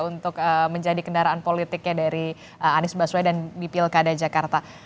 untuk menjadi kendaraan politiknya dari anies baswai dan bipil kada jakarta